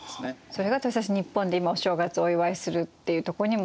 それが私たち日本で今お正月をお祝いするっていうとこにも。